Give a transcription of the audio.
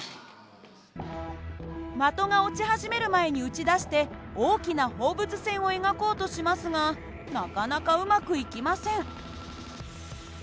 的が落ち始める前に撃ち出して大きな放物線を描こうとしますがなかなかうまくいきません。